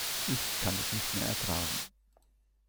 Ich kann es nicht mehr ertragen.